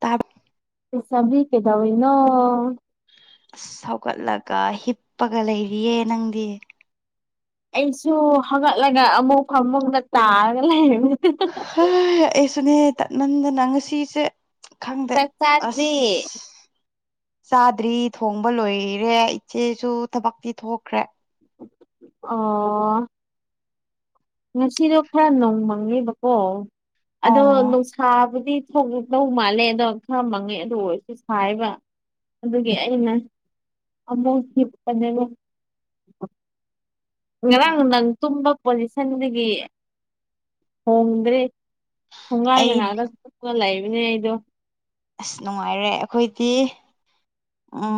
ꯇꯥꯕ꯭ꯔꯣ ꯂꯩꯁꯥꯕꯤ ꯀꯩꯗꯧꯏꯅꯣ ꯑꯁ ꯍꯧꯒꯠꯂꯒ ꯍꯤꯞꯄꯒ ꯂꯩꯔꯤꯌꯦ ꯅꯪꯗꯤ ꯑꯩꯁꯨ ꯍꯪꯒꯠꯂꯒ ꯑꯃꯨꯛ ꯐꯃꯨꯡꯗ ꯇꯥꯔꯒ ꯂꯩꯔꯕꯅꯤ ꯍ ꯑꯩꯁꯨꯨꯅꯦ ꯇꯟꯃꯟꯗꯅ ꯉꯁꯤꯁꯦ ꯈꯪꯗꯦ ꯆꯥꯛ ꯑꯁ ꯆꯥꯗ꯭ꯔꯤ ꯆꯥꯗ꯭ꯔꯤ ꯊꯣꯡꯕ ꯂꯣꯏꯔꯦ ꯏꯆꯦꯁꯨ ꯊꯕꯛꯇꯤ ꯊꯣꯛꯈ꯭ꯔꯦ ꯑꯣ ꯉꯁꯤꯗꯣ ꯈꯔ ꯅꯣꯡꯃꯪꯉꯦꯕꯀꯣ ꯑꯣ ꯑꯗꯣ ꯅꯨꯡꯁꯥꯕꯨꯗꯤ ꯊꯣꯛꯂꯛꯇꯧ ꯃꯥꯜꯂꯦ ꯑꯗꯣ ꯈꯔ ꯃꯪꯉꯦ ꯑꯗꯨ ꯑꯣꯏꯔꯁꯨ ꯁꯥꯏꯌꯦꯕ ꯑꯗꯨꯒꯤ ꯑꯩꯅ ꯑꯃꯨꯛ ꯍꯤꯞꯄꯅꯦꯕ ꯉꯔꯥꯡ ꯅꯪ ꯇꯨꯝꯕ ꯄꯣꯖꯤꯁꯟꯗꯒꯤ ꯍꯣꯡꯗ꯭ꯔꯦ ꯊꯣꯡꯒꯥꯜ ꯑꯩ ꯌꯦꯡꯉꯥꯒ ꯂꯩꯕꯅꯦ ꯑꯩꯗꯣ ꯑꯁ ꯅꯨꯡꯉꯥꯏꯔꯦ ꯑꯩꯈꯣꯏꯗꯤ ꯎꯝ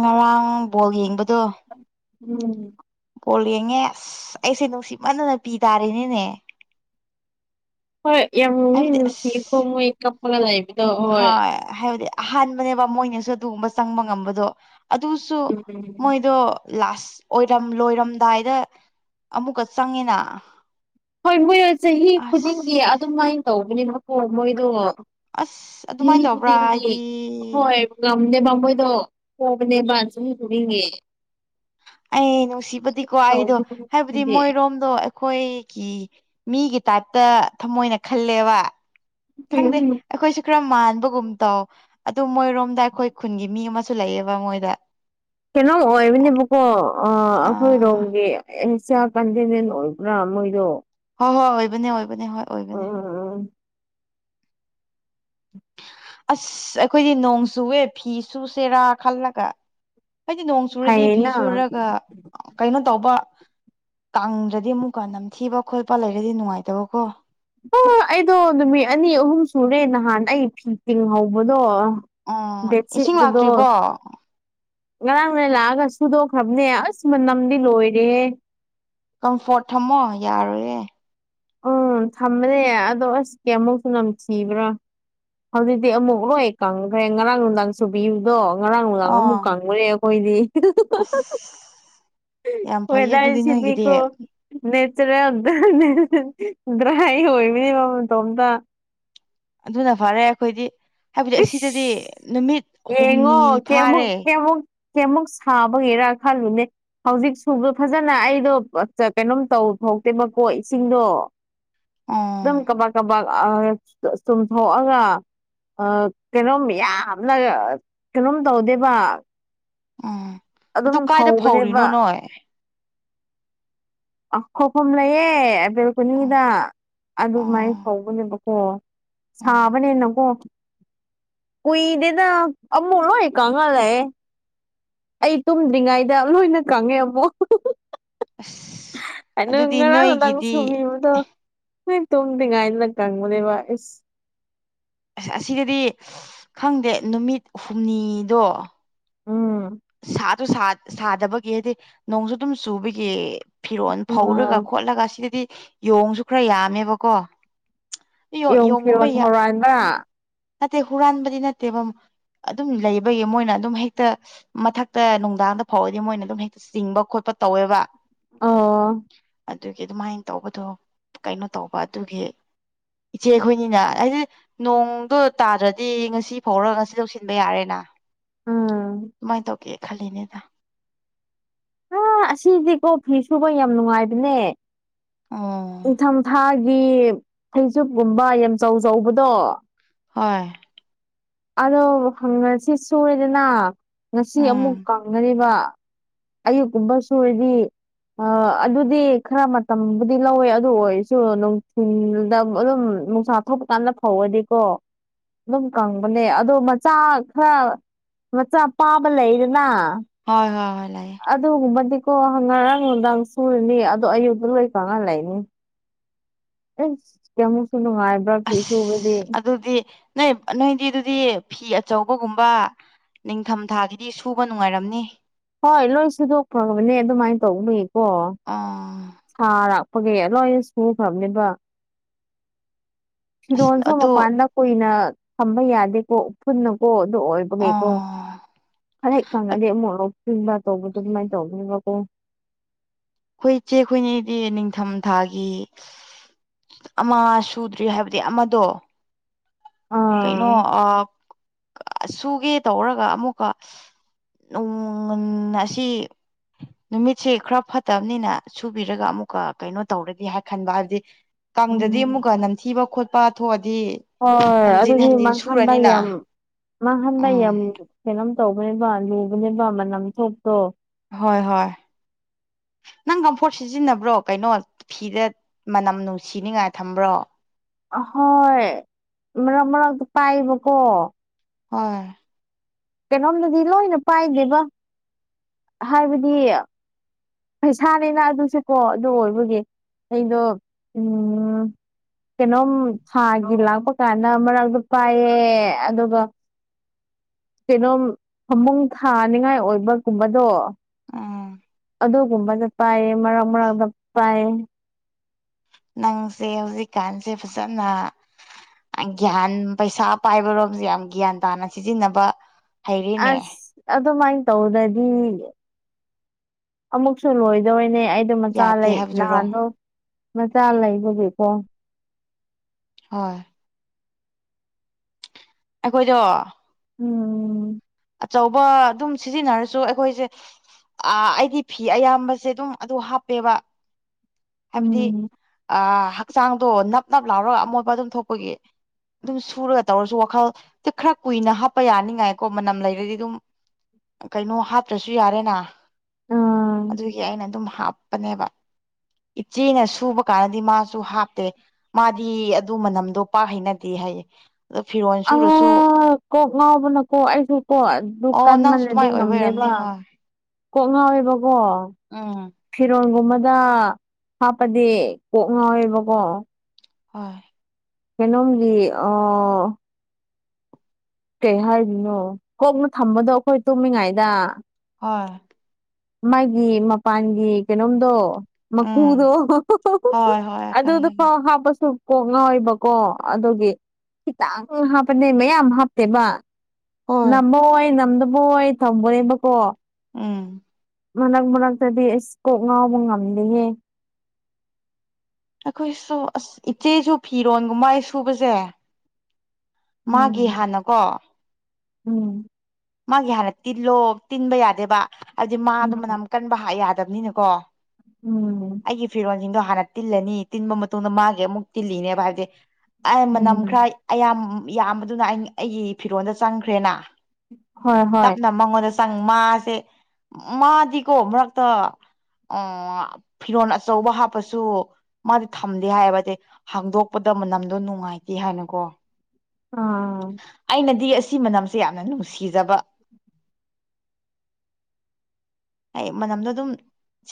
ꯉꯔꯥꯡ ꯕꯣꯜ ꯌꯦꯡꯕꯗꯣ ꯎꯝ ꯕꯣꯜ ꯌꯦꯡꯉꯦ ꯑꯁ ꯑꯩꯁꯦ ꯅꯨꯡꯁꯤꯠ ꯃꯥꯟꯅꯅ ꯄꯤ ꯇꯥꯔꯤꯅꯤꯅꯦ ꯍꯣꯏ ꯌꯥꯝꯅꯨꯡꯅꯤ ꯑꯁ ꯅꯨꯡꯁꯤꯌꯦꯀꯣ ꯃꯣꯏ ꯀꯞꯄꯒ ꯂꯩꯕꯗꯣ ꯍꯣꯏ ꯑꯍꯥꯟꯕꯅꯦꯕ ꯃꯣꯏꯅꯁꯨ ꯑꯗꯨꯒꯨꯝꯕ ꯆꯪꯕ ꯉꯝꯕꯗꯣ ꯑꯗꯨꯁꯨ ꯎꯝ ꯃꯣꯏꯗꯣ ꯂꯥꯁ ꯑꯣꯏꯔꯝ ꯂꯣꯏꯔꯝꯗꯥꯏꯗ ꯑꯃꯨꯛꯀ ꯆꯪꯉꯤꯅ ꯍꯣꯏ ꯃꯣꯏ ꯆꯍꯤ ꯈꯨꯗꯤꯡꯒꯤ ꯑꯁ ꯑꯗꯨꯝꯃꯥꯏꯅ ꯇꯧꯕꯅꯦꯕꯀꯣ ꯃꯣꯏꯗꯣ ꯑꯁ ꯑꯗꯨꯃꯥꯏꯅ ꯇꯧꯕ꯭ꯔꯥ ꯍꯥꯏꯗꯤ ꯍꯣꯏ ꯉꯝꯗꯦꯕ ꯃꯣꯏꯗꯣ ꯄꯣꯕꯅꯦ ꯆꯍꯤ ꯈꯨꯗꯤꯡꯒꯤ ꯑꯩ ꯅꯨꯡꯁꯤꯕꯗꯤꯀꯣ ꯑꯩꯗꯣ ꯍꯥꯏꯕꯗꯤ ꯇꯧꯕꯗꯤ ꯃꯣꯏꯔꯣꯝꯗꯣ ꯑꯩꯈꯣꯏꯒꯤ ꯃꯤꯒꯤ ꯇꯥꯏꯞꯇ ꯊꯃꯣꯏꯅ ꯈꯜꯂꯦꯕ ꯈꯪꯗꯦ ꯑꯩꯈꯣꯏꯁꯨ ꯈꯔ ꯃꯥꯟ ꯕꯒꯨꯝ ꯇꯧ ꯑꯗꯨ ꯃꯣꯏꯔꯣꯝꯗ ꯑꯩꯈꯣꯏ ꯈꯨꯟꯒꯤ ꯃꯤ ꯑꯃꯁꯨ ꯂꯩꯌꯦꯕ ꯃꯣꯏꯗ ꯀꯩꯅꯣꯝ ꯑꯣꯏꯕꯅꯦꯕꯀꯣ ꯑ ꯑꯥ ꯑꯩꯈꯣꯏꯔꯣꯝꯒꯤ ꯁꯕꯀꯟꯇꯤꯅꯦꯟꯇ ꯑꯣꯏꯕ꯭ꯔꯥ ꯃꯣꯏꯗꯣ ꯍꯣꯏ ꯍꯣꯏ ꯑꯣꯏꯕꯅꯦ ꯑꯣꯏꯕꯅꯦ ꯍꯣꯏ ꯑꯣꯏꯕꯅꯦ ꯎꯝ ꯑꯁ ꯑꯩꯈꯣꯏꯗꯤ ꯅꯣꯡ ꯆꯨꯋꯦ ꯐꯤ ꯆꯨꯁꯦꯔꯥ ꯈꯜꯂꯒ ꯑꯩꯗꯤ ꯅꯣꯡ ꯆꯨꯔꯗꯤ ꯐꯤ ꯐꯩꯌꯦꯅ ꯁꯨꯔꯒ ꯑ ꯀꯩꯅꯣ ꯇꯧꯕ ꯀꯥꯡꯗ꯭ꯔꯗꯤ ꯑꯃꯨꯛꯀ ꯅꯝꯊꯤꯕ ꯈꯣꯠꯄ ꯂꯩꯔꯗꯤ ꯅꯨꯡꯉꯥꯏꯇꯕꯀꯣ ꯑꯣ ꯑꯩꯗꯣ ꯅꯨꯃꯤꯠ ꯑꯅꯤ ꯑꯍꯨꯝ ꯁꯨꯔꯦ ꯅꯍꯥꯟ ꯑꯩ ꯐꯤ ꯇꯤꯡ ꯍꯧꯕꯗꯣ ꯎꯝ ꯏꯁꯤꯡ ꯂꯥꯛꯇ꯭ꯔꯤꯕꯣ ꯉꯔꯥꯡ ꯅ ꯂꯥꯛꯑꯒ ꯁꯨꯗꯣꯛꯈ꯭ꯔꯕꯅꯦ ꯑꯁ ꯃꯅꯝꯗꯤ ꯂꯣꯏꯔꯦꯍꯦ ꯀꯝꯐꯣꯔꯠ ꯊꯝꯃꯣ ꯌꯥꯔꯣꯏꯌꯦ ꯎꯝ ꯊꯝꯕꯅꯦ ꯑꯗꯣ ꯑꯁ ꯀꯩꯌꯥꯝ ꯃꯨꯛꯁꯨ ꯅꯝꯊꯤꯕ꯭ꯔꯥ ꯍꯧꯖꯤꯛꯇꯤ ꯑꯃꯨꯛ ꯂꯣꯏ ꯀꯪꯒ꯭ꯔꯦ ꯉꯔꯥꯡ ꯅꯨꯡꯗꯥꯡ ꯁꯨꯕꯤꯌꯨꯗꯣ ꯉꯔꯥꯡ ꯅꯨꯗꯥꯡꯅ ꯑꯥ ꯑꯃꯨꯛ ꯀꯪꯉꯨꯔꯦ ꯈꯣꯏꯗꯤ ꯑꯁ ꯌꯥꯝ ꯍꯣꯏ ꯐꯩꯌꯦ ꯑꯗꯨꯗꯤ ꯅꯣꯏꯒꯤꯗꯤ ꯅꯪꯁꯤꯗꯤꯀꯣ ꯗ꯭ꯔꯥꯏ ꯑꯣꯏꯕꯅꯦꯕ ꯃꯇꯣꯝꯇ ꯑꯗꯨꯅ ꯐꯔꯦ ꯑꯈꯣꯏꯗꯤ ꯍꯥꯏꯕꯗꯤ ꯑꯁꯤꯗꯗꯤ ꯏꯁ ꯅꯨꯃꯤꯠ ꯌꯦꯡꯉꯣ ꯍꯨꯝꯅꯤ ꯀꯌꯥꯃꯨꯛ ꯐꯥꯔꯦ ꯀꯌꯥꯃꯨꯛ ꯀꯌꯥꯃꯨꯛ ꯁꯥꯕꯒꯤꯔꯥ ꯈꯜꯂꯨꯅꯦ ꯍꯧꯖꯤꯛ ꯁꯨꯕꯗꯣ ꯐꯖꯅ ꯑꯩꯗꯣ ꯀꯩꯅꯣꯝ ꯇꯧ ꯍꯥꯎꯇꯦꯕꯀꯣ ꯏꯁꯤꯡꯗꯣ ꯑꯣ ꯑꯗꯨꯝ ꯀꯕꯥꯛ ꯀꯥꯕꯛ ꯆꯨꯝꯊꯣꯛꯑꯒ ꯑ ꯀꯩꯅꯣꯝ ꯌꯥꯝꯅ ꯀꯩꯅꯣꯝ ꯇꯧꯗꯦꯕ ꯎꯝ ꯑꯗꯨ ꯑꯗꯨꯝ ꯀꯥꯏꯗ ꯐꯧꯔꯤꯅꯣ ꯐꯧꯕꯅꯦꯕ ꯅꯣꯏ ꯑ ꯐꯧꯐꯝ ꯂꯩꯌꯦ ꯑ ꯑꯣ ꯕꯦꯜꯀꯣꯅꯤꯗ ꯑꯗꯨꯃꯥꯏꯅ ꯑꯣ ꯐꯧꯕꯅꯦꯕ ꯑꯣ ꯑꯣ ꯁꯥꯕꯅꯦꯅꯀꯣ ꯀꯨꯏꯗꯦꯗ ꯑꯃꯨꯛ ꯂꯣꯏ ꯀꯪꯑ ꯂꯩꯑꯦ ꯑꯩ ꯇꯨꯝꯗ꯭ꯔꯤꯉꯩꯗ ꯂꯣꯏꯅ ꯀꯪꯉꯦ ꯑꯃꯨꯛ ꯑꯁ ꯑ ꯅꯪ ꯑꯗꯨꯗꯤ ꯉꯔꯥꯡ ꯅꯨꯡꯗꯥꯡ ꯅꯣꯏꯒꯤꯗꯤ ꯁꯨꯕꯤꯕꯗꯣ ꯅ ꯇꯨꯝꯗ꯭ꯔꯤ ꯉꯥꯏꯅ ꯀꯪꯕꯅꯦꯕ ꯑꯁ ꯑꯁꯤꯗꯗꯤ ꯈꯪꯗꯦ ꯅꯨꯃꯤꯠ ꯍꯨꯝꯅꯤꯗꯣ ꯎꯝ ꯁꯥꯁꯨ ꯁꯥꯗꯕꯒꯤ ꯍꯥꯏꯗꯤ ꯅꯣꯡꯁꯨ ꯑꯗꯨꯝ ꯆꯨꯕꯒꯤ ꯐꯤꯔꯣꯜ ꯑ ꯐꯧꯔꯒ ꯈꯣꯠꯂꯒ ꯁꯤꯗꯗꯤ ꯌꯣꯡꯁꯨ ꯈꯔ ꯌꯥꯝꯃꯦꯕꯀꯣ ꯑꯌꯣ ꯌꯣꯡ ꯌꯣꯡꯒꯨꯝꯕ ꯐꯤꯔꯣꯟ ꯌꯥꯝ ꯍꯧꯔꯛꯑꯟꯕ꯭ꯔꯥ ꯅꯠꯇꯦ ꯍꯨꯔꯥꯟꯕꯗꯤ ꯅꯠꯇꯦꯕ ꯑꯗꯨꯝ ꯂꯩꯕꯒꯤ ꯃꯣꯏꯅ ꯑꯗꯨꯝ ꯍꯦꯛꯇ ꯃꯊꯛꯇ ꯅꯨꯡꯗꯥꯡꯗ ꯐꯥꯎꯔꯗꯤ ꯃꯣꯏꯅ ꯑꯗꯨꯝ ꯍꯦꯛꯇ ꯆꯤꯡꯕ ꯈꯣꯠꯄ ꯇꯧꯋꯦꯕ ꯑꯣ ꯑꯗꯨꯒꯤ ꯑꯗꯨꯃꯥꯏꯅ ꯇꯧꯕꯗꯣ ꯀꯩꯅꯣ ꯇꯧꯕ ꯑꯗꯨꯒꯤ ꯏꯆꯦꯈꯣꯏꯅꯤꯅ ꯍꯥꯏꯗꯤ ꯅꯣꯡꯗꯣ ꯇꯥꯗ꯭ꯔꯗꯤ ꯉꯁꯤ ꯐꯥꯎꯔ ꯉꯁꯤ ꯂꯧꯁꯤꯟꯕ ꯌꯥꯔꯦꯅ ꯎꯝ ꯗꯨꯃꯥꯏꯅ ꯇꯧꯒꯦ ꯈꯜꯂꯤꯅꯦꯗ ꯑ ꯑꯁꯤꯗꯤꯀꯣ ꯐꯤ ꯁꯨꯕ ꯌꯥꯝ ꯅꯨꯡꯉꯥꯏꯕꯅꯦ ꯑꯣ ꯅꯤꯡꯊꯝꯊꯥꯒꯤ ꯐꯩꯖꯨꯞꯀꯨꯝꯕ ꯌꯥꯝꯆꯧ ꯆꯧꯕꯗꯣ ꯍꯣꯏ ꯑꯗꯣ ꯉꯁꯤ ꯁꯨꯔꯦꯗꯅ ꯉꯁꯤ ꯑꯃꯨꯛ ꯎꯝ ꯀꯪꯒꯅꯤꯕ ꯑꯌꯨꯛꯀꯨꯝꯕ ꯁꯨꯔꯗꯤ ꯑ ꯑꯗꯨꯗꯤ ꯈꯔ ꯃꯇꯝ ꯗꯤ ꯂꯧꯋꯦ ꯑꯗꯨ ꯑꯣꯏꯔꯁꯨ ꯅꯨꯡꯊꯤꯜꯗ ꯑꯗꯨꯝ ꯅꯨꯡꯁꯥ ꯊꯣꯛꯄ ꯀꯥꯟꯗ ꯐꯧꯔꯗꯤꯀꯣ ꯑꯗꯨꯝ ꯀꯪꯕꯅꯦ ꯑꯗꯣ ꯃꯆꯥ ꯈꯔ ꯃꯆꯥ ꯄꯥꯕ ꯂꯩꯗꯅ ꯍꯣꯏ ꯍꯣꯏ ꯍꯣꯏ ꯂꯩꯌꯦ ꯑꯗꯨꯒꯨꯝꯕꯗꯤꯀꯣ ꯉꯔꯥꯡ ꯅꯨꯡꯗꯥꯡ ꯁꯨꯔꯅꯤ ꯑꯗꯣ ꯑꯌꯨꯛꯇ ꯂꯣꯏ ꯀꯪꯑ ꯂꯩꯅꯤ ꯑꯦ ꯀꯌꯥꯃꯨꯛ ꯑꯁ ꯑꯗꯨꯗꯤ ꯅꯣꯏ ꯅꯣꯏꯗꯤ ꯑꯗꯨꯗꯤ ꯐꯤ ꯑꯆꯧꯕꯒꯨꯝꯕ ꯅꯤꯡꯊꯝꯊꯥꯒꯤꯗꯤ ꯁꯨꯕ ꯅꯨꯡꯉꯥꯏꯔꯝꯅꯤ ꯍꯣꯏ ꯂꯣꯏ ꯁꯨꯗꯣꯛꯈ꯭ꯔꯕꯅꯦ ꯑꯗꯨꯃꯥꯏꯅ ꯇꯧꯕꯅꯦ ꯑꯥ ꯁꯥꯔꯛꯄꯒꯤ ꯂꯣꯏꯅ ꯁꯨꯈ꯭ꯔꯕꯅꯦꯕ ꯑꯁ ꯐꯤꯔꯣꯟꯁꯨ ꯑꯗꯣ ꯃꯄꯥꯟꯗ ꯀꯨꯏꯅ ꯊꯝꯕ ꯌꯥꯗꯦꯀꯣ ꯎꯐꯨꯟꯅꯀꯣ ꯑꯗꯨ ꯑꯣꯏꯕꯒꯦꯀꯣ ꯑꯥ ꯍꯦꯛ ꯀꯪꯉꯗꯤ ꯑꯃꯨꯛ [unintelligible] ꯇꯧꯕꯗꯣ ꯑꯗꯨꯃꯥꯏꯅ ꯇꯧꯒꯅꯦꯕꯀꯣ ꯑꯩꯈꯣꯏ ꯏꯆꯦ ꯑꯩꯈꯣꯏꯅꯤꯗꯤ ꯅꯤꯡꯊꯝ ꯊꯥꯒꯤ ꯑꯃ ꯁꯨꯗ꯭ꯔꯤ ꯍꯥꯏꯕꯗꯤ ꯑꯃꯗꯣ ꯀꯩꯅꯣ ꯑꯥ ꯁꯨꯒꯦ ꯇꯧꯔꯒ ꯑꯃꯨꯛꯀ ꯎꯝ ꯑꯁꯤ ꯅꯨꯃꯤꯠꯁꯤꯦ ꯈꯔ ꯐꯠꯇꯕꯅꯤꯅ ꯁꯨꯕꯤꯔꯒ ꯑꯃꯨꯛꯀ ꯀꯩꯅꯣ ꯇꯧꯔꯒ ꯍꯥꯏ ꯈꯟꯕ ꯍꯥꯏꯗꯤ ꯀꯥꯡꯪꯗꯗꯤ ꯎꯝ ꯑꯃꯨꯛꯀ ꯅꯝꯊꯤꯕ ꯈꯣꯠꯄ ꯊꯣꯛꯑꯗꯤ ꯍꯣꯏ ꯍꯟꯖꯤꯟ ꯑꯗꯨꯗꯤ ꯍꯟꯖꯤꯟ ꯃꯥꯡꯍꯟꯗ ꯁꯨꯔꯅꯤꯅ ꯌꯥꯝ ꯃꯥꯡꯍꯟꯗ ꯎꯝ ꯌꯥꯝ ꯀꯂꯝ ꯇꯧꯕꯅꯦꯕ ꯂꯨꯕꯅꯦꯕ ꯃꯅꯝ ꯊꯣꯛꯇꯣ ꯍꯣꯏ ꯍꯣꯏ [unintelligible] ꯈꯤꯇꯪ ꯀꯝꯐꯣꯔꯠ ꯁꯤꯖꯤꯟꯅꯕ꯭ꯔꯣ ꯀꯩꯅꯣ ꯐꯤꯗ ꯃꯅꯝ ꯅꯨꯡꯁꯤꯅꯤꯉꯥꯏ ꯊꯝꯕ꯭ꯔꯣ ꯍꯣꯏ ꯃꯔꯛ ꯃꯔꯛ ꯄꯥꯏꯕꯀꯣ ꯍꯣꯏ ꯀꯩꯅꯣꯝꯗꯗꯤ ꯂꯣꯏꯅ ꯄꯥꯏꯗꯦꯕ ꯍꯥꯏꯕꯗꯤ ꯄꯩꯁꯥꯅꯤꯅ ꯑꯗꯨꯁꯨꯀꯣ ꯑꯗꯨ ꯑꯣꯏꯕꯒꯤ ꯑꯩꯗꯣ ꯎꯝ ꯀꯩꯅꯣꯝ ꯊꯥꯒꯤ ꯂꯥꯛꯄ ꯀꯥꯟꯗ ꯃꯔꯛꯇꯛꯇ ꯄꯥꯏꯌꯦ ꯑꯗꯨꯒ ꯀꯩꯅꯣꯝ ꯐꯃꯨꯡ ꯊꯥꯅꯤꯉꯥꯏ ꯑꯣꯏꯕꯒꯨꯝꯕꯗꯣ ꯑꯥ ꯑꯗꯨꯒꯨꯝꯕꯗ ꯄꯥꯏꯌꯦ ꯃꯔꯛ ꯃꯔꯛꯛꯇ ꯄꯥꯏꯌꯦ ꯅꯪꯁꯦ ꯍꯧꯖꯤꯛꯀꯥꯟꯁꯦ ꯐꯖꯅ ꯒ꯭ꯌꯥꯟ ꯄꯩꯁꯥ ꯄꯥꯏꯕꯔꯣꯝꯁꯦ ꯌꯥꯝ ꯒ꯭ꯌꯥꯟ ꯇꯥꯅ ꯁꯤꯖꯤꯟꯅꯕ ꯍꯩꯔꯤꯅꯦ ꯑꯁ ꯑꯗꯨꯃꯥꯏꯅ ꯇꯧꯗꯗꯤ ꯑꯃꯨꯛꯁꯨ ꯂꯣꯏꯗꯧꯣꯏꯅꯦ ꯑꯩꯗꯣ ꯃꯆꯥ ꯌꯥꯗꯦ ꯂꯩ ꯍꯥꯏꯕꯗꯨꯔꯣ ꯅꯍꯥꯟꯗꯣ ꯃꯆꯥ ꯂꯩꯕꯒꯤꯀꯣ ꯍꯣꯏ ꯑꯩꯈꯣꯏꯗꯣ ꯎꯝ ꯎꯝ ꯑꯆꯧꯕ ꯑꯗꯨꯝ ꯁꯤꯖꯤꯟꯅꯔꯁꯨ ꯑꯩꯈꯣꯏꯁꯦ ꯑ ꯑꯩꯗꯤ ꯐꯤ ꯑꯌꯥꯝꯕꯁꯦ ꯑꯗꯨꯝ ꯑꯗꯨ ꯍꯥꯞꯄꯦꯕ ꯍꯥꯏꯕꯗꯤ ꯎꯝ ꯍꯛꯆꯥꯡꯗꯣ ꯅꯞ ꯅꯞ ꯂꯥꯎꯔꯒ ꯑꯃꯣꯠꯕ ꯑꯗꯨꯝ ꯊꯣꯛꯄꯒꯤ ꯑꯗꯨꯝ ꯁꯨꯔꯒ ꯇꯧꯔꯁꯨ ꯋꯥꯈꯜ ꯈꯔ ꯀꯨꯏꯅ ꯍꯥꯞꯄ ꯌꯥꯅꯤꯡꯉꯥꯏꯀꯣ ꯃꯅꯝ ꯂꯩꯔꯗꯤ ꯑꯗꯨꯝ ꯀꯩꯅꯣ ꯍꯥꯠꯇ꯭ꯔꯁꯨ ꯌꯥꯔꯦꯅ ꯑꯥ ꯑꯗꯨꯒꯤ ꯑꯩꯅ ꯑꯗꯨꯝ ꯍꯥꯞꯄꯅꯦꯕ ꯏꯆꯦꯅ ꯁꯨꯕ ꯀꯥꯟꯗꯗꯤ ꯃꯥꯁꯨ ꯍꯥꯞꯇꯦ ꯃꯥꯗꯤ ꯑꯗꯨ ꯃꯅꯝꯗꯣ ꯄꯥꯛ ꯍꯩꯅꯗꯦ ꯍꯥꯏꯌꯦ ꯑꯗꯣ ꯐꯤꯔꯣꯜ ꯑ ꯁꯨꯔꯁꯨ ꯀ ꯍꯣꯅ ꯑꯣ ꯑꯩꯁꯨ ꯀꯣ ꯑꯗꯨ ꯑꯣ ꯅꯪꯁꯨ ꯀꯟꯃꯜꯂꯗꯤ ꯑꯗꯨꯃꯥꯏꯅ ꯑꯣꯏꯕ ꯑꯣꯏꯔꯝꯅꯤ ꯉꯝꯗꯦꯕ ꯍꯣꯏ ꯀꯣꯛ ꯉꯥꯎꯋꯦꯕꯀꯣ ꯎꯝ ꯐꯤꯔꯣꯟꯒꯨꯝꯕ ꯑꯗ ꯍꯥꯞꯄꯗꯤ ꯀꯣꯛ ꯉꯥꯎꯋꯦꯕꯀꯣ ꯍꯣꯏ ꯀꯩꯅꯣꯝꯂꯤ ꯑ ꯀꯩ ꯍꯥꯏꯔꯤꯅꯣ ꯀꯣꯛꯅ ꯊꯝꯕꯗꯣ ꯑꯩꯈꯣꯏ ꯇꯨꯝꯃꯤꯉꯥꯏꯗ ꯍꯣꯏ ꯃꯥꯒꯤ ꯃꯄꯥꯟꯒꯤ ꯀꯩꯅꯣꯝꯗꯣ ꯎꯝ ꯃꯀꯨꯗꯣ ꯍꯣꯏ ꯍꯣꯏ ꯑꯗꯨ ꯈꯪꯉꯦ ꯑꯗꯨ ꯈꯪꯉꯦ ꯐꯥꯎ ꯍꯥꯄꯁꯨ ꯀꯣꯛ ꯉꯥꯎꯏꯕꯀꯣ ꯑꯗꯨꯒꯤ ꯈꯤꯇꯪ ꯍꯥꯞꯄꯅꯦ ꯃꯌꯥꯝ ꯍꯥꯞꯇꯦꯕ ꯍꯣꯏ ꯅꯃꯣꯏ ꯅꯝꯗꯕ ꯑꯣꯏ ꯊꯝꯕꯅꯦꯕꯀꯣ ꯎꯝ ꯃꯛ ꯃꯔꯛꯇꯗꯤ ꯑꯩ ꯏꯁ ꯀꯣꯛ ꯉꯥꯎꯕ ꯉꯝꯗꯦꯍꯦ ꯑꯩꯈꯣꯏꯁꯨ ꯑꯁ ꯏꯆꯦꯁꯨ ꯐꯤꯔꯣꯟꯒꯨꯝꯃꯥꯏ ꯁꯨꯕꯁꯦ ꯃꯥꯒꯤ ꯎꯝ ꯍꯥꯟꯅꯀꯣ ꯎꯝ ꯃꯥꯒꯤ ꯍꯥꯟꯅ ꯇꯤꯜꯂꯣ ꯇꯤꯟꯕ ꯌꯥꯗꯦꯕ ꯍꯥꯏꯕꯗꯤ ꯃꯥꯗꯣ ꯎꯝ ꯃꯅꯝ ꯀꯟꯕ ꯌꯥꯗꯕꯅꯤꯅꯀꯣ ꯎꯝ ꯁꯤꯡꯗꯣ ꯍꯥꯟꯅ ꯇꯤꯜꯂꯅꯤ ꯇꯤꯟꯕ ꯃꯇꯨꯡꯗ ꯃꯥꯒꯤ ꯑꯃꯨꯛ ꯇꯤꯜꯂꯤꯅꯦꯕ ꯍꯥꯏꯕꯗꯤꯦ ꯑꯩ ꯃꯅꯝ ꯎꯝ ꯈ꯭ꯔ ꯑꯌꯥꯝ ꯌꯥꯝꯕꯗꯨꯅ ꯑꯩꯒꯤ ꯐꯤꯔꯣꯟꯜꯗ ꯆꯪꯈ꯭ꯔꯦꯅ ꯍꯣꯏ ꯍꯣꯏ ꯇꯞꯅ ꯃꯉꯣꯟꯗ ꯆꯪ ꯃꯥꯁꯦ ꯃꯥꯗꯤꯀꯣ ꯃꯔꯛꯇ ꯑꯣ ꯐꯤꯔꯣꯟꯜ ꯑꯆꯧꯕ ꯍꯥꯞꯄꯁꯨ ꯃꯥꯗꯤ ꯊꯝꯗꯦ ꯍꯥꯏꯕꯗꯤ ꯍꯥꯡꯗꯣꯛꯄꯗ ꯃꯅꯝꯗꯣ ꯅꯨꯡꯉꯥꯏꯇꯦ ꯍꯥꯏꯅꯀꯣ ꯑꯥ ꯁꯤ ꯃꯅꯝꯁꯦ ꯌꯥꯝꯅ ꯅꯨꯡꯁꯤꯖꯕ ꯑꯩ ꯃꯅꯝꯗꯣ ꯑꯗꯨꯝ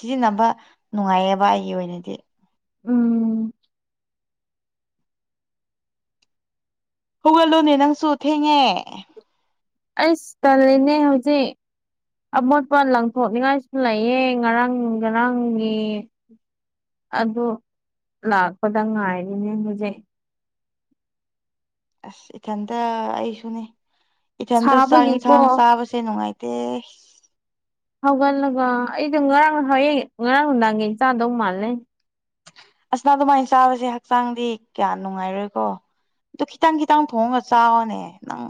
ꯁꯤꯖꯤꯟꯅꯕ ꯅꯨꯡꯉꯥꯏꯌꯦꯕ ꯑꯩꯒꯤ ꯑꯣꯏꯅꯗꯤ ꯎꯝ ꯍꯧꯨꯒꯠꯂꯨꯅꯦ ꯅꯪꯁꯨ ꯊꯦꯡꯉꯦ ꯑꯩꯁ ꯇꯂꯅꯦ ꯍꯧꯖꯤꯛ ꯑꯃꯣꯠꯄ ꯂꯪꯊꯣꯛꯅꯤꯡꯉꯥꯏꯁꯨ ꯂꯩꯌꯦ ꯉꯔꯥꯡ ꯉꯔꯥꯡꯒꯤ ꯑꯗꯨ ꯂꯥꯛꯄꯗ ꯉꯥꯏꯔꯤꯅꯦ ꯍꯧꯖꯤꯛ ꯑꯁ ꯏꯊꯟꯗ ꯑꯩꯁꯨꯅꯦ ꯏꯊꯟꯗ ꯆꯥꯛ ꯁꯥꯕꯒꯤꯀꯣ ꯌꯦꯟꯁꯥꯡ ꯆꯥꯕꯁꯦ ꯅꯨꯡꯉꯥꯏꯇꯦ ꯀ ꯍꯧꯒꯠꯂꯒ ꯑꯩꯗꯣ ꯉꯔꯥꯡ ꯍꯌꯦꯡ ꯉꯔꯥꯡ ꯅꯨꯡꯗꯥꯡꯒꯤ ꯆꯥꯗꯧ ꯃꯥꯜꯂꯦ ꯑꯁꯅꯥ ꯑꯗꯨꯃꯥꯏꯅ ꯆꯥꯕꯁꯦ ꯍꯛꯆꯥꯡꯗꯤ ꯀꯌꯥ ꯅꯨꯡꯉꯥꯏꯔꯣꯏꯀꯣ ꯑꯗꯨ ꯈꯤꯇꯪ ꯈꯤꯇꯪ ꯊꯣꯡꯉꯒ ꯆ ꯆꯥꯎꯔꯅꯦ ꯅꯪ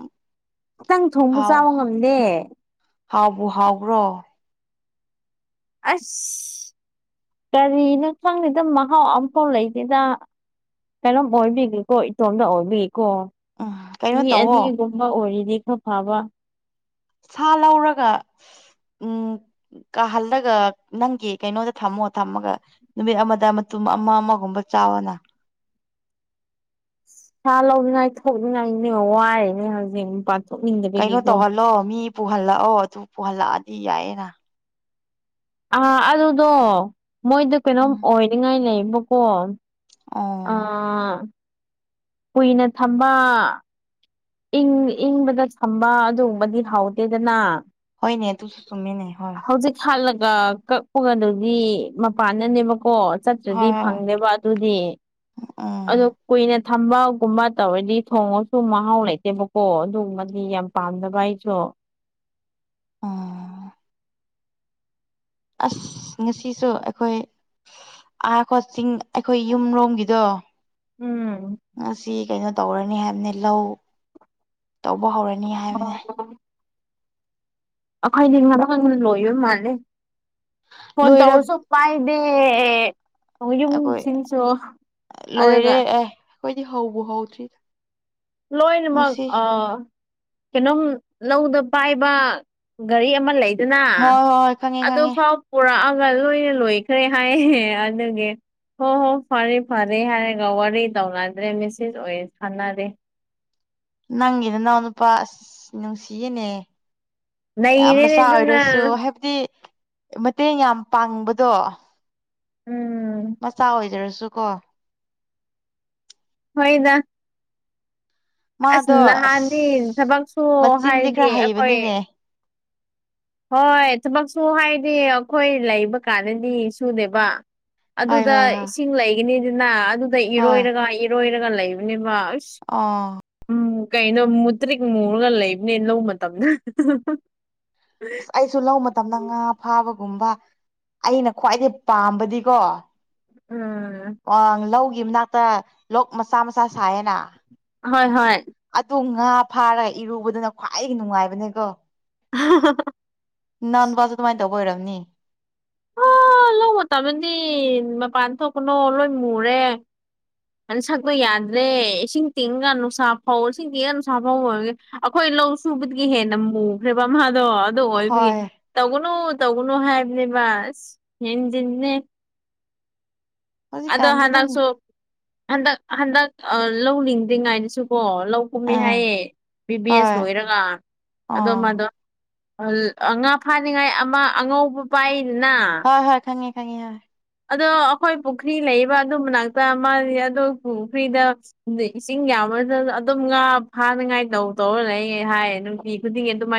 ꯈꯤꯇꯪ ꯊꯣꯡꯕ ꯆꯥꯕ ꯉꯝꯗꯦ ꯍꯥꯎꯕ ꯍꯥꯎꯕ꯭ꯔꯣ ꯑꯁ ꯀꯔꯤ ꯅꯨꯡꯁꯪꯅꯤꯗ ꯃꯍꯥꯎ ꯑꯝꯐꯥꯎ ꯂꯩꯗꯦꯗ ꯀꯩꯅꯣꯝ ꯑꯣꯕꯤꯒꯦꯀꯣ ꯏꯇꯣꯝꯗ ꯑꯣꯕꯤ ꯀꯣ ꯎꯝ ꯀꯩꯅꯣ ꯃꯤ ꯇꯧꯋꯣ ꯑꯅꯤꯒꯨꯝꯕ ꯑꯣꯏꯔꯤꯅꯤ ꯈꯔ ꯐꯥꯕ ꯁꯥ ꯂꯧꯔꯒ ꯎꯝ ꯀꯥꯍꯜꯂꯒ ꯅꯪꯒꯤ ꯀꯩꯅꯣꯗ ꯊꯝꯃꯣ ꯊꯝꯃꯒ ꯅꯨꯃꯤꯠ ꯑꯃꯗ ꯃꯇꯨꯡ ꯑꯃ ꯑꯃꯒꯨꯝꯕ ꯆꯥꯎꯋꯅ ꯁꯥ ꯂꯧꯅꯤꯉꯥꯏ ꯊꯣꯛꯅꯤꯡꯉꯥꯏꯅꯦ ꯋꯥꯏꯔꯅꯦ ꯍꯧꯖꯤꯛ ꯀꯩꯅꯣ ꯊꯣꯛꯅꯤꯡꯗꯕꯒꯤꯀꯣ ꯇꯧꯍꯜꯂꯣ ꯃꯤ ꯄꯨꯍꯜꯂꯛꯑꯣ ꯑꯗꯨ ꯄꯨꯍꯜꯂꯛꯑꯗꯤ ꯌꯥꯏꯌꯦꯅ ꯑꯥ ꯑꯗꯨꯗꯣ ꯃꯣꯏꯗ ꯀꯩꯅꯣꯝ ꯎꯝ ꯑꯣꯏꯅꯤꯡꯉꯥꯏ ꯂꯩꯕꯀꯣ ꯑꯣ ꯑꯥ ꯀꯨꯏꯅ ꯊꯝꯕ ꯏꯪ ꯏꯪꯕꯗ ꯁꯝꯕ ꯑꯗꯨꯒꯨꯝꯕꯗꯤ ꯍꯥꯎꯗꯦꯗꯅ ꯍꯅꯦ ꯇꯨꯁꯨ ꯆꯃꯤꯃꯦꯅꯦ ꯍ ꯀꯛꯄꯒ ꯑꯗꯨꯗꯤ ꯃꯄꯥꯟꯅꯅꯦꯕ ꯀꯣ ꯆꯠꯇ꯭ꯔꯗꯤ ꯍꯣꯏ ꯍꯣꯏ ꯐꯪꯗꯦꯕ ꯑꯗꯨꯗꯤ ꯑ ꯎꯝ ꯀꯨꯏꯅ ꯊꯝꯕꯒꯨꯝꯕ ꯇꯧꯔꯗꯤ ꯊꯣꯡꯉꯁꯨ ꯃꯍꯥꯎ ꯂꯩꯇꯦ ꯅꯠꯇꯦꯕꯀꯣ ꯑꯗꯨꯒꯃꯗꯤ ꯌꯥꯝ ꯄꯥꯝꯗꯕ ꯑꯩꯁꯨ ꯑ ꯑꯁ ꯉꯁꯤꯁꯨ ꯑꯩꯈꯣꯏ ꯑꯥ ꯀ ꯆꯤꯡ ꯑꯩꯈꯣꯏ ꯌꯨꯝꯔꯣꯝꯒꯤꯗꯣ ꯎꯝ ꯉꯁꯤ ꯀꯩꯅꯣ ꯇꯧꯔꯅꯤ ꯍꯥꯏꯕꯅꯤ ꯂꯧ ꯇꯧꯕ ꯍꯧꯔꯅꯤ ꯍꯥꯏꯕꯅꯦ ꯑꯩꯈꯣꯏꯗꯤ ꯉꯅ ꯉ ꯂꯣꯏꯕ ꯃꯥꯜꯂꯦ ꯐꯣꯟ ꯂꯣꯏꯔꯞ ꯇꯧꯔꯁꯨ ꯄꯥꯏ ꯑ ꯑꯩꯈꯣꯏ ꯌꯨꯝꯁꯤꯡꯁꯨ ꯑꯗꯨꯒ ꯂꯣꯏꯔꯦ ꯑꯦ ꯑꯩꯈꯣꯏꯗꯤ ꯍꯧꯕ ꯍꯧꯗ꯭ꯔꯤꯗ ꯂꯣꯏꯅꯃꯛ ꯉꯁꯤ ꯑꯥ ꯀꯩꯅꯣꯝ ꯂꯧꯗ ꯄꯥꯏꯕ ꯒꯥꯔꯤ ꯑꯃ ꯂꯩ ꯑꯗꯨꯅ ꯍꯣꯏ ꯍꯣꯏ ꯈꯪꯉꯦ ꯈꯪꯉꯦ ꯑꯗꯨꯐꯥꯎ ꯄꯨꯔꯛꯑꯒ ꯂꯣꯏꯅ ꯂꯣꯏꯈ꯭ꯔꯦ ꯍꯥꯏꯌꯦ ꯑꯗꯨꯦ ꯍꯣ ꯍꯣ ꯐꯔꯦ ꯐꯔꯦ ꯍꯥꯏꯔꯒ ꯋꯥꯔꯤ ꯇꯧꯅꯗ꯭ꯔꯦ ꯃꯤꯁꯁ ꯑꯣꯏ ꯁꯥꯟꯅꯔꯦ ꯅꯪꯒꯤ ꯅꯅꯥꯎ ꯅꯨꯄꯥ ꯑꯁ ꯅꯨꯡꯁꯤꯌꯦꯅꯦ ꯌꯥꯝ ꯅꯩꯔꯦꯅꯦ ꯃꯆꯥ ꯑꯗꯨꯅ ꯑꯣꯏꯔꯁꯨ ꯍꯥꯏꯕꯗꯤ ꯃꯇꯦꯡ ꯌꯥꯝ ꯄꯥꯡꯕꯗꯣ ꯎꯝ ꯆꯀꯣ ꯍꯣꯏꯗ ꯑꯁ ꯃꯥꯗꯣ ꯑꯁ ꯅꯍꯥꯟꯗꯤ ꯊꯕꯛꯁꯨ ꯃꯆꯤꯟꯗꯤ ꯍꯥꯏꯔꯗꯤ ꯈꯔ ꯑꯩꯈꯣꯏ ꯍꯩꯕꯅꯤꯅꯦ ꯍꯣꯏ ꯊꯕꯛꯁꯨ ꯍꯥꯏꯗꯤ ꯑꯩꯈꯣꯏ ꯂꯩꯕ ꯀꯥꯟꯅꯅꯤ ꯁꯨꯅꯦꯕ ꯍꯣꯏ ꯑꯗꯨꯗ ꯍꯣꯏ ꯍꯣꯏ ꯏꯁꯤꯡ ꯂꯩꯒꯅꯤꯗꯅ ꯑꯗꯨꯗ ꯏꯔꯣꯏꯔꯒ ꯏꯔꯣꯏꯔꯒ ꯂꯩꯕꯅꯦꯕ ꯑꯁ ꯑꯥ ꯎꯝ ꯀꯩꯅꯣ ꯃꯨꯇꯔꯤꯛ ꯃꯨꯨꯔꯒ ꯂꯩꯕꯅꯦ ꯂ ꯃꯇꯝꯗ ꯑꯁ ꯑꯩꯁꯨ ꯂ ꯃꯇꯝꯗ ꯉꯥ ꯐꯥꯕꯒꯨꯝꯕ ꯑꯩꯅ ꯈ꯭ꯋꯥꯏꯗꯩ ꯄꯥꯝꯕꯗꯤꯀꯣ ꯎꯝ ꯑ ꯂꯧꯒꯤ ꯃꯅꯥꯛꯇ ꯂꯣꯛ ꯃꯆꯥ ꯃꯆꯥ ꯁꯥꯏꯌꯦꯅ ꯍꯣꯏ ꯍꯣꯏ ꯑꯗꯨ ꯉꯥ ꯐꯥꯔꯒ ꯏꯔꯨꯕꯗꯨꯅ ꯈ꯭ꯋꯥꯏꯗꯒꯤ ꯅꯨꯡꯉꯥꯏꯕꯅꯦꯀꯣ ꯅꯟ ꯋꯥꯁꯨ ꯑꯗꯨꯃꯥꯏꯅ ꯇꯧꯕ ꯑꯣꯏꯔꯝꯅꯤ ꯑꯣ ꯂꯧꯕ ꯇꯥꯃꯟꯗꯤ ꯃꯄꯥꯟ ꯊꯣꯛꯄꯅꯣ ꯂꯣꯏ ꯃꯨꯔꯦ ꯑ ꯁꯛꯄ ꯌꯥꯗ꯭ꯔꯦ ꯏꯁꯤꯡ ꯇꯤꯡꯒ ꯅꯨꯡꯁꯥ ꯐꯧ ꯏꯁꯤꯡ ꯇꯤꯡꯉ ꯅꯨꯡꯁꯥ ꯐꯧ ꯑꯣꯏꯕ ꯑꯩꯈꯣꯏ ꯂꯧ ꯁꯨꯕꯗꯒꯤ ꯍꯦ ꯅꯝꯃꯨꯈ꯭ꯔꯦꯕ ꯑꯗꯣ ꯑꯗꯨ ꯑꯣꯏꯕꯒꯤ ꯍꯣꯏ ꯇꯧꯒꯅꯨ ꯇꯧꯒꯅꯨ ꯍꯥꯏꯕꯅꯦꯕ ꯍꯗꯤꯟꯅꯦ ꯑꯗꯣ ꯍꯧꯖꯤꯛꯀꯥꯟꯗꯤ ꯑꯗꯨꯝ ꯍꯟꯗꯛꯁꯨ ꯍꯟꯗꯛ ꯍꯟꯗꯛ ꯂꯧꯅꯤꯡꯗ꯭ꯔꯤꯉꯥꯏꯗꯁꯨ ꯀꯣ ꯂꯧ ꯀꯨꯝꯃꯤ ꯑꯥ ꯍꯥꯏꯌꯦ ꯕꯤ ꯕꯤ ꯑꯦꯁ ꯍꯣꯏ ꯂꯣꯏꯔꯒ ꯑꯗꯣ ꯑꯣ ꯃꯗꯣ ꯉꯥ ꯐꯥꯅꯤꯡꯉꯥꯏ ꯑꯃ ꯑꯉꯧꯕ ꯄꯥꯏ ꯍꯣꯏ ꯍꯣꯏ ꯈꯪꯉꯤ ꯈꯪꯉꯤ ꯑꯗꯣ ꯑꯩꯈꯣꯏ ꯄꯨꯈ꯭ꯔꯤ ꯂꯩꯕ ꯑꯗꯨ ꯃꯅꯥꯛꯇ ꯃꯥ ꯑꯣ ꯄꯨꯈ꯭ꯔꯤꯗ ꯏꯁꯤꯡ ꯌꯥꯝ ꯑꯗꯨꯝ ꯉꯥ ꯐꯥꯅꯉꯥꯏ ꯇꯧ ꯇꯧꯔ ꯂꯩ ꯍꯥꯏ ꯅꯨꯡꯇꯤ ꯈꯨꯗꯤꯡꯒꯤ ꯑꯗꯨꯃꯥꯏꯅ